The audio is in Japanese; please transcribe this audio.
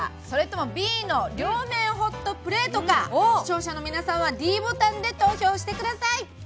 それともＢの両面ホットプレートか視聴者の皆さんはｄボタンで投票してください。